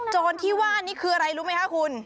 โจรที่ว่านี่คืออะไรรู้ไหมคะคุณ